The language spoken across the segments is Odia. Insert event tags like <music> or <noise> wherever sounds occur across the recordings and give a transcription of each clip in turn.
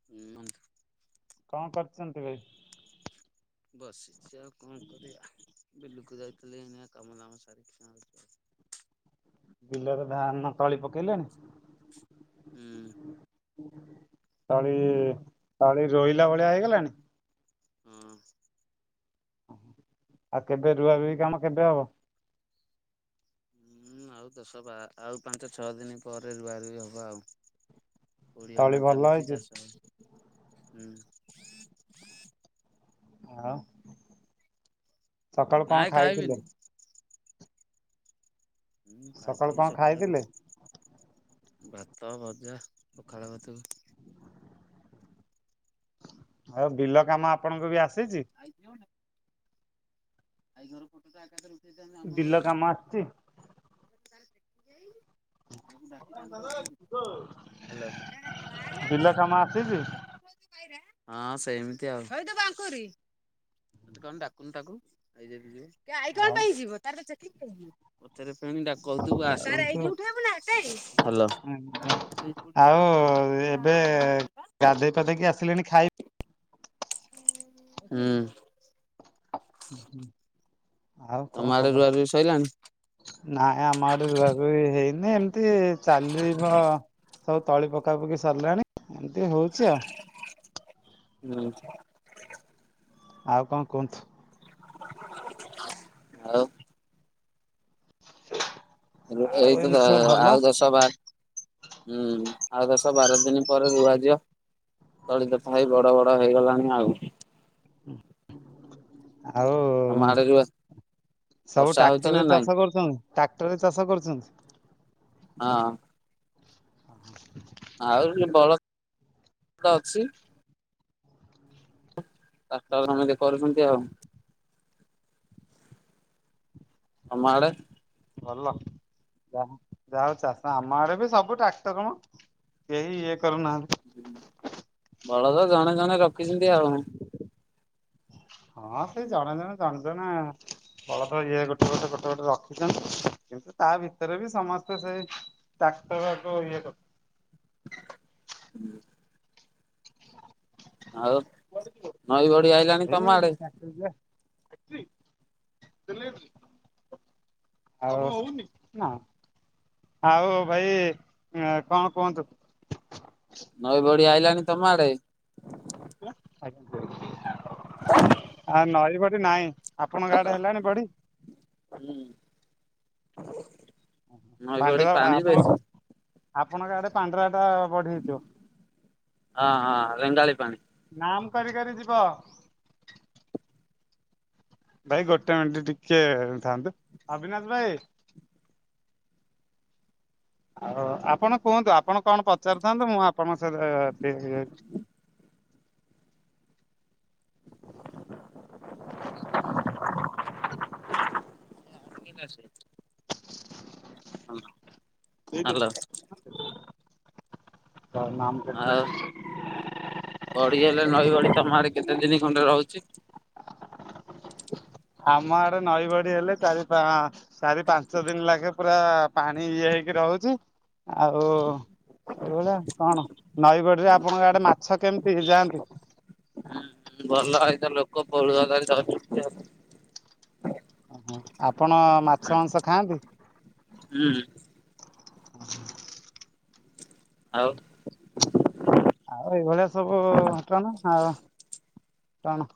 <unintelligible> କଣ କରିୁଛନ୍ତି ଭାଇ। ବସିଛି ଆଉ କଁ କରିବା ବିଲକୁ ଯାଇଥିଲି ଏଇନା କାମ ଧାମ ସାରିକି ଆଉଛି। ବିଲରେ ଧାନ ତଳି ପକେଇଲେଣି। ହୁଁ। ତଳି ତଳି ରୋଇଲା ଭଳିଆ ହେଇଗଲାଣି। ହୁଁ। ଆଉ କେବେ ରୁଆ ରୁଇ କାମ କେବେ ହବ। ହୁଁ ଆଉ ଦଶ ବା ଆଉ ପାଞ୍ଚ ଛଅ ଦିନ ପରେ ରୁଆ ରୁଇ ହବ ଆଉ। କୋଡି ହଣା ତଳି ଭଲ ଚାଲିଛି ହେଇଛି। ଚାଷ ହୁଁ। ହଁ। ସକାଳୁ କଣ ନାଇଁ ଖାଇଥିଲେ। ଖାଇବିନି ମୁଁ ସକାଳୁ ଖାଇଥିଲି କଣ ସକାଳ ଖାଇଥିଲେ? କୁ ଭାତ ଭଜା ପଖାଳ ଭାତକୁ। ଆଉ ବିଲ କାମ ଆପଣଙ୍କୁ ବି ଆସିଛି। ଆ ଆଈ ଘର ଫୋଟ ତ ଆକା ରେଇ ବିଲ କାମ ଆସିଚି? <unintelligible> ବିଲ ହାଲୋ। <unintelligible> ହଁ ସେମିତି ଆଉ ହେଟି କଣ ଡାକୁନୁ ତାକୁ। ଆଇ ଯଦି ଯିବ କି ଆଇ କଣ ଆଉ ପାଇଁ ଯିବ ତାର ତ ଚେକିଙ୍ଗି ହେଇଚି। ପଚାରେ ଫେଣି ଡା କହୁଥିବୁ ଆସେ ତାର ଏଇଠି ଉଠେଇବୁ ନାଁ ହେଠେଇ ହାଲୋ। ଆଉ ଏବେ ଗାଧେଇ ପାଧେଇକି ଆସିଲେଣି ଖାଇ ହୁଁ। ହୁଁ ହୁଁ ଆଉ ତମ କଣ ଆଡେ ରୁଆ ଖବର? ରୁଇ ସଇଲାଣି? ନାଇଁ ଆମ ଆଡେ ରୁଆ ରୁଇ ହେଇନି ଏମିତି ଚାଲିବ ସବୁ ତଳି ପକା ପକି ସରିଲାଣି ଏମିତି ହଉଛି ଆଉ। <unintelligible> ଆଉ କଣ କୁହନ୍ତୁ? ଆଉ? ଆଉ ଏମିତି ସବୁ <unintelligible> ଭଲ ଆଉ ଦଶ ବାର ହୁଁ ଆଉ ଦଶ ବାର ଦିନି ପରେ ରୁଆଯିବ। ତଳି ତଥାଇ ବଡ ବଡ ହେଇଗଲାଣି ଆଉ। ଆଉ ତମ ଆଡେ ରୁଆ ସବୁ ବର୍ଷା ହଉଛି ନା ଟ୍ରାକ୍ଟରେ ନାଇଁ? ଚାଷ କରୁଛନ୍ତି? ଟାକ୍ଟର ରେ ଚାଷ କରୁଛନ୍ତି? ହଁ। <inaudible> ଆହୁରି ବଳଦ ଅଛି? ତାଟ ହୁଁ ସମିତେ କରୁଛନ୍ତି ଆଉ। ତମ ଆଡେ? ଭଲ ଯାହା ଯାହା ହଉ ଚାଷ ଆମ ଆଡେ ବି ସବୁ ଟାକ୍ଟର ମ। କେହି ଇଏ କରୁ ନାହାନ୍ତି। ବଳଦ ଜଣେ ଜଣେ ରଖିଛନ୍ତି ଆଉ। ହଁ ସେଇ ଜଣେ ଜଣେ ଜଣେ ଆଉ। ବଳଦ ଇଏ ଗୋଟେ ଗୋଟେ ଗୋଟେ ଗୋଟେ ରଖିଛନ୍ତି କିନ୍ତୁ ତା ଭିତରେ ବି ସମସ୍ତେ ସେଇ ଟାକ୍ଟର ଯୋ ଇଏ କରୁ ହୁଁ। ଆଉ। ନଈ ବଢି କୁଆଡେ ଆଇଲାଣି ତମ ଆଡେ? ଯିବ ଏଇ ଟା <unintelligible> ଆଉ <unintelligible> ନାଁ। ଆଉ ଭାଇ କଣ କୁହନ୍ତୁ? ନଈ ବଢି ଆଇଲାଣି ତମ ଆଡେ? ଆ ନଈବଢି ନାଇଁ। ଆପଣ ଙ୍କ ଆଡେ ହେଲାଣି ବଢି? ହୁଁ ନଈ ବଢି ପାଣ୍ଡରା ପାଣି ଆପଣ ବେଶୀ ଆପଣଙ୍କ ଆଡେ ପାଣ୍ଡରା ଟା ବଢିଥିବ। ହଁ ହଁ ରେଙ୍ଗାଳି ପାଣି। ନାମ୍ କରି କରି ଯିବ। ଭାଇ ଗୋଟେ ମିନିଟ୍ ଟିକେ ଥାନ୍ତୁ ଅବିନାଶ ଭାଇ। ଆଉ ଆପଣ କୁହନ୍ତୁ ଆପଣ କଣ ପଚାରୁଥାନ୍ତୁ ମୁଁ ଆପଣଙ୍କ ସହିତ <unintelligible> <inaudible> <unintelligible> <inaudible> ହାଲୋ ହାଲୋ। <unintelligible> ବଢ଼ି ହେଲେ ନଈ ବଢ଼ି ତମ ଆଡେ କେତେ ଦିନି ଖଣ୍ଡେ ରହୁଛି? ଆମ ଆଡେ ନଈ ବଢ଼ି ହେଲେ ଚାରି ପା ଚାରି ପାଞ୍ଚ ଦିନ ଲାଗେ ପୁରା ପାଣି ଇଏ ହେଇକି ରହୁଛି। ଆଉ ଏଇଭଳିଆ କଣ ନଈବଡିରେ ଆପଣଙ୍କ ଆଡେ ମାଛ କେମିତି ଯାଆନ୍ତି? ହୁଁ ଭଲ ଏଇ ତ ଲୋକ <unintelligible> ହଁ ଆପଣ ମାଛ ମାଂସ ଖାଆନ୍ତି? ହୁଁ। <inaudible> ଆଉ। ଆଉ ଏଇଭଳିଆ ସବୁ ଘଟଣା ଆଉ କଣ?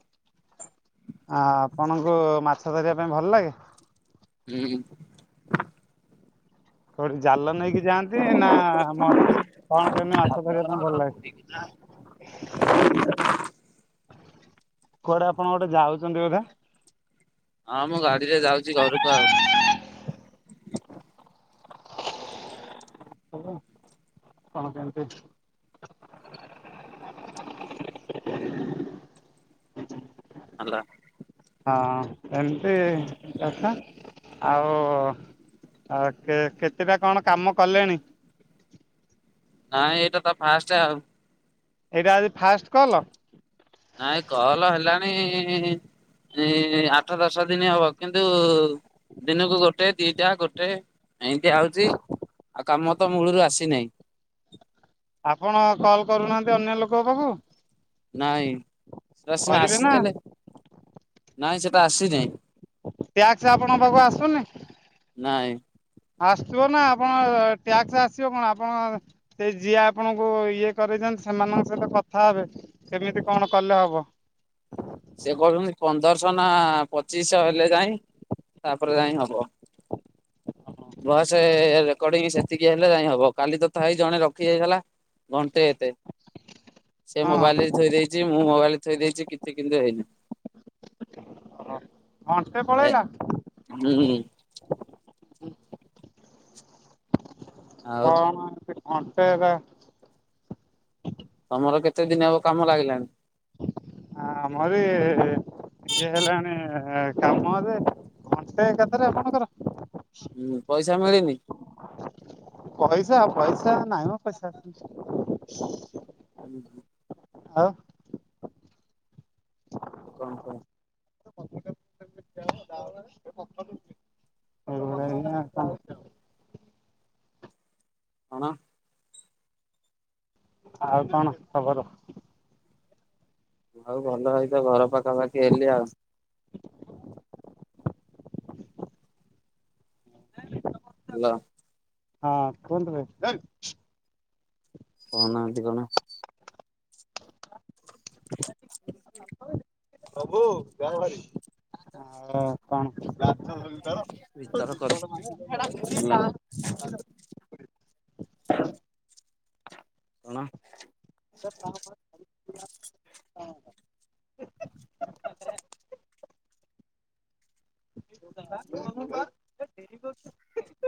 ଆ ଆପଣଙ୍କୁ ମାଛ ଧରିବା ପାଇଁ ଭଲ ଲାଗେ? ହୁଁ। କୋଉଠି ଜାଲ ନେଇକି ଯାଆନ୍ତି ନା ଆମ କଣ କେମିତି ମାଛ ଧରିବା ପାଇଁ ଭଲ ଲାଗେ? କୁଆଡ଼େ ଆପଣ ଗୋଟେ ଯାଉଛନ୍ତି ବୋଧେ? ହଁ ମୁଁ ଗାଡ଼ି ରେ ଯାଉଛି ଘରକୁ ଆଉ। ହ କଣ କେମତି? ହ୍ୟାଲୋ ହଁ ଏମିତି କଥା ଆଉ ଆଉ କେ କେତେଟା କଣ କାମ କଲେଣି? ନାଇଁ ଏଇଟା ତ ଫାଷ୍ଟ ଆଉ ଏଇଟା ଆଜି ଫାଷ୍ଟ କଲ। ନାଇଁ କଲ ହେଲାଣି ଆଠ ଦଶ ଦିନ ହବ କିନ୍ତୁ ଦିନକୁ ଗୋ ଟେ ଦିଟା ଗୋଟେ ଏଇଁତି ଆଉଛି ଆଉ କାମ ତ ମୂଳରୁ ଆସିନାହିଁ। ଆପଣ କଲ୍ କରୁନାହାନ୍ତି ଅନ୍ୟ ଲୋକଙ୍କ ପାଖକୁ? ନାଇଁ ସେ ସିନା କରିବେ ନା? ଆସିଥିଲେ। ନାଇଁ ସେତ ଆସିନି ଟ୍ୟାକ୍ସ ଆପଣଙ୍କ ପାଖକୁ ନାଇଁ। ଆସଥିବ ନା ଆପଣ ଟ୍ୟାକ୍ସ ଆସିବ କଣ ଆପଣ ସେ ଯିଏ ଆପଣଙ୍କୁ ଇଏ କରଇଛନ୍ତି ସେମାନଙ୍କ ସହିତ କଥା ହେବେ କେମିତି କଣ କଲେ ହବ? ସେ କହୁଛନ୍ତି ପନ୍ଦରଶହ ନା ପଚିଶ ଶହ ହେଲେ ଯାଇଁ ତାପରେ ଯାଇ ହବ। ଭଏସ ରେକର୍ଡିଙ୍ଗ ସେତିକି ହେଲେ ଯାଇଁ ହବ କାଲି ତଥାପି ଜଣେ ରଖି ଦେଇଥିଲା। ଘଣ୍ଟେ ଏତେ ସେ ମୋବାଇଲରେ ହଁ ଥୋଇ ଦେଇଛି ମୁଁ ମୋବାଇଲ ଥୋଇ ଦେଇଛି କିଛି କିନ୍ତୁ ହେଇନି। ଘଣ୍ଟେ ଏ ପଳେଇଲା। ହୁଁ ଉ ଆଉ <unintelligible> ତମର କେତେ ଦିନ ହବ କାମ ଲାଗିଲାଣି? ହଁ ଆମର ବି ଇଏ ହେଲାଣି କାମ ଯେ ଘଣ୍ଟେ ଏକାଥରେ ଆପଣଙ୍କର ହୁଁ ପଇସା ମିଳିନି? ପଇସା ପଇସା ନାଇଁ ମ ପଇସା ହୁଁ। ଆଉ ଆଉ କଣ କହ? <inaudible> ହୁଁ ଏଇଭଳିଆ ଆଉ କଣ କଣ? ଆଉ କଣ ଖବର? ଆଉ ଭଲ ହେଇ ତ ଘର ପାଖାପାଖି ହେଲି ଆଉ <inaudible> <inaudible> ହେଲୋ ହଁ କୁଅନ୍ତୁ ଭାଇ <unintelligible> କହୁନାହାନ୍ତି କଣ। <unintelligible> ପ୍ରଭୁ ଯାଅ ହେରି କଣ ଭିତର କରି <unintelligible> <unintelligible> କଣ? <unintelligible>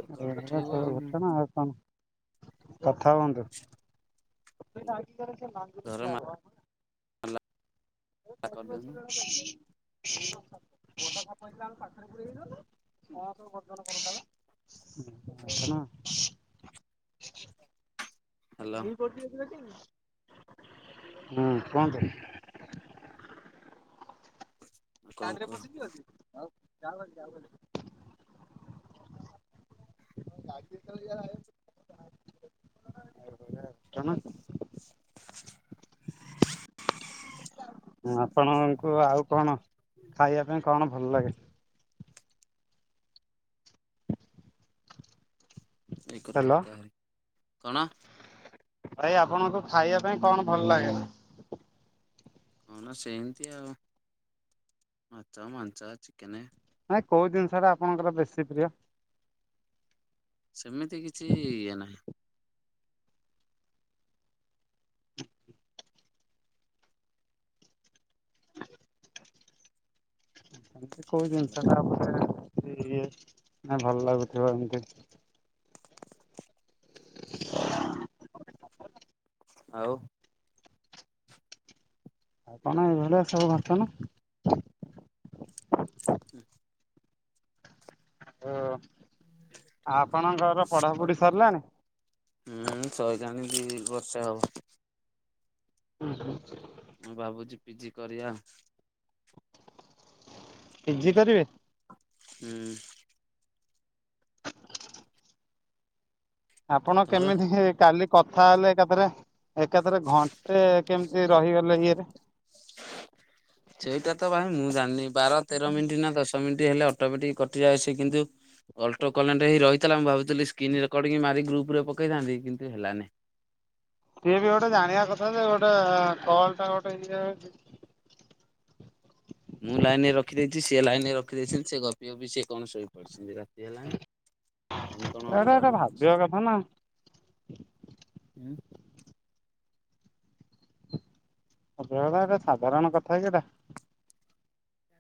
ଏ କଲ ଉଠେଇବ ଆଉ କଥା ହୁଅନ୍ତୁ ଘର <unintelligible> ମାଲା କରିଦେଉନୁ <unintelligible> <unintelligible> <unintelligible> ହ୍ୟାଲୋ ହୁଁ କୁହନ୍ତୁ। କଣ ଗାଡ଼ିରେ କହ ବସିଥିଲ <unintelligible> <unintelligible> କଣ ହଁ ଆପଣଙ୍କୁ ଆଉ କଣ ଖାଇବା ପାଇଁ କଣ ଭଲ ଲାଗେ? ଏ କରକୁ ହାଲୋ ଟିକେ ଆ କଣ ଭାଇ ଆପଣଙ୍କୁ ଖାଇବା ପାଇଁ କଣ ଭଲ ଲାଗେନା? କଣ ସେମିତି ଆଉ ମାଛ ମାଂସ ଚିକେନ। ନାଇଁ କୋଉ ଜିନିଷ ଟା ଆପଣଙ୍କର ବେଶୀ ପ୍ରିୟ? ସେମିତି କିଛି ଇଏ ନାହିଁ। ଏମତି କୋଉ ହେଲା। ଜିନିଷ ଟା ଉପରେ ଇଏ ମାନେ ଇଏ ଭଲ ଲାଗୁଥିବ ଏମତି। <inaudible> ଆଉ କଣ ଏଇ ଭଳିଆ ସବୁ ଘଟଣା। <unintelligible> ହଁ ଆପଣଙ୍କର ପଢାପଢି ସରିଲାଣି। ହୁଁ ସରିଲାଣି ଦି ବର୍ଷ ହବ। <unintelligible> ମୁଁ ଭାବୁଛି ପିଜି କରିବା। ପିଜି କରିବେ। ହୁଁ। ଆପଣ ତମର କେମିତି ହେ କାଲି। କଥା ହେଲେ ଏକାଥରେ ଏକାଥରେ ଘଣ୍ଟେ କେମିତି ରହିଗଲେ ଇଏରେ। <inaudible> ସେଇଟା ତ ଭାଇ ମୁଁ ଜାଣିନି ବାର ତେର ମିନିଟ୍ ନା ଦଶ ମିନିଟ୍ ହେଲେ ଅଟୋମେଟିକ କଟିଯାଏ ସେ କିନ୍ତୁ, ଅଲଟୋ କନେଟ୍ ହେଇ ରହିଥିଲା ମୁଁ ଭାବୁଥିଲି ସ୍କ୍ରିନ ରେକର୍ଡିଙ୍ଗ ମାରି ଗ୍ରୁପ ରେ ପକେଇଥାନ୍ତି କିନ୍ତୁ ହେଲାନି। ସିଏ ବି ଗୋଟେ ଜାଣିବା କଥା ଯେ ଗୋଟେ କଲ୍ ଟା ଗୋଟେ ଇଏ ଅଛି। ମୁଁ ଲାଇନ୍ ରେ ରଖିଦେଇଛି ସେ ଲାଇନ୍ ରେ ରଖିଦେଇଛନ୍ତି ସେ ଗପି ଗପି ସିଏ କଣ ଶୋଇପଡିଛନ୍ତି ରାତି। ରାତି ହେଲାଣି। ଲାଇନ ଏଇଟା କଣ ଅପଡାଉନ ଏଇଟା ହଉଛି। ଭାବିବା କଥା ନା। <inaudible> ଭାବିବା କଥା ଏଇଟା ସାଧାରଣ କଥା କି ଏଟା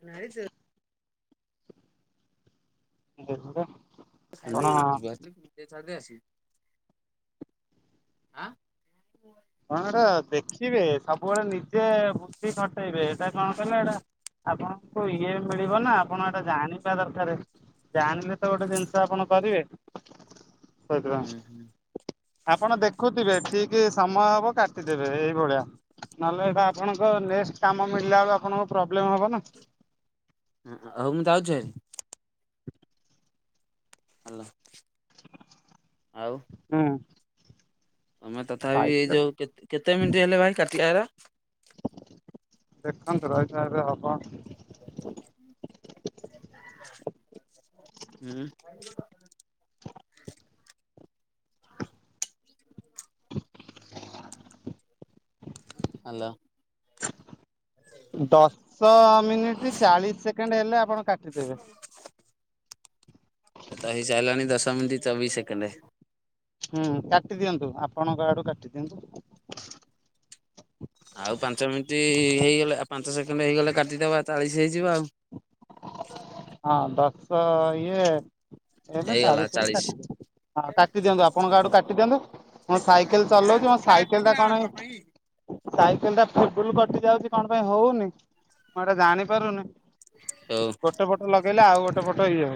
ନାଇଁ ସେ <unintelligible> ଏଇନା ଯିବ ଆସିବ ନା ଛାଡ଼ିଦେଇ ଆସିବି ଆଁ। କଣଗୋଟା ଦେଖିବେ ସବୁବେଳେ ନିଜେ ବୁଦ୍ଧି ଖଟେଇବେ ଏଇଟା କଣ କଲେ ଏଇଟା ଆପଣଙ୍କୁ ଇଏ ମିଳିବ ନା ଆପଣ ଏଟା ଜାଣିବା ଦରକାର ଜାଣିଲେ ତ ଗୋଟେ ଜିନିଷ ଆପଣ କରିବେ ହୁଁ ହୁଁ ସେଇଥିପାଇଁ ଆପଣ ଦେଖୁଥିବେ ଠିକ୍ ସ ସମୟ ହବ କାଟିଦେବେ ଏଇଭଳିଆ ନହେଲେ ଏଟା ଆପଣଙ୍କ ନେସ୍ଟ କାମ ମିଳିଲେ ବେଳକୁ ଆପଣଙ୍କ ପ୍ରୋବ୍ଲେମ ହବ ନା ହ ହଉ ମୁଁ ଯାଉଛି ହାରି ହେଲା ଆଉ ହୁଁ। ତମେ ତଥାପି ଏଇ ସାଇଟରେ ଯୋଉ, କେ କେତେ ମିନିଟ୍ ହେଲେ ଭାଇ କାଟିବାର? ଦେଖନ୍ତୁ ରହି ଥିବାରୁ ହବ। ହୁଁ। ହାଲୋ। ଦଶ ମିନିଟ ଚାଳିଶ ସେକେଣ୍ଡ ହେଲେ ଆପଣ କାଟିଦେବେ। ଏ ତ ହେଇ ସାରିଲାଣି ଦଶ ମିିନିଟ ଚବିଶ ସେକେଣ୍ଡ ହୁଁ କାଟିଦିଅନ୍ତୁ ଆପଣଙ୍କ ଆଡୁ କାଟି ଦିଅନ୍ତୁ। ଆଉ ପାଞ୍ଚ ମିନିଟ୍ ହେଇଗଲେ ପାଞ୍ଚ ସେକେଣ୍ଡ ହେଇଗଲେ କାଟିଦବା ଚାଳିଶ ହେଇଯିବ ଆଉ ହଁ ଦଶ ଇଏ ହେଲେ ଚାଳିଶ ହେଲା ହଁ କାଟି ଦିଅନ୍ତୁ ଆପଣଙ୍କାଡୁ କାଟିଦିଅନ୍ତୁ। ମୁଁ ସାଇକେଲ ଚଲାଉଛି ମ ସାଇକେଲ ଟା କଣ ସାଇକେଲ ଟା ଫୁଲ୍ ବୁଲ କଟି ଯାଉଛି କଣ ପାଇଁ ହଉନି ମୁଁ ଏଇଟା ଜାଣି ପାରୁନି। ହଉ। ଗୋଟେ ପଟେ ଲଗେଇଲେ ଆଉ ଗୋଟେ ପଟେ ଇଏ